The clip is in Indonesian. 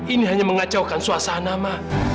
ini hanya mengacaukan suasana ma